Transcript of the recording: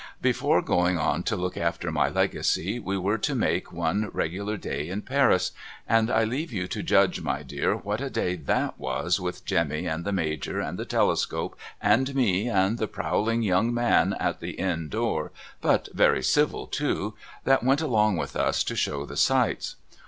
Before going on to look after my Legacy we were to make one regular day in Paris, and I leave you to judge my dear what a day tJiat was with Jemmy and the Major and the telescoj)e and me and the prowling young man at the inn door (but very civil too) that went along with us to show the sights.